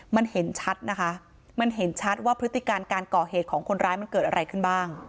มันเห็นชัดนะคะมันเห็นชัดว่าพฤติการการก่อเหตุของคนร้ายมันเกิดอะไรขึ้นบ้าง